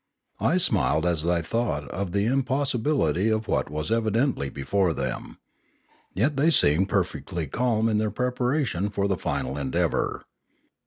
I smiled as I thought of the impossi bility of what was evidently before them. Yet they seemed perfectly calm in their preparation for the final endeavour.